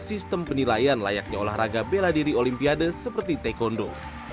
sistem penilaian layaknya olahraga bela diri olimpiade seperti taekwondo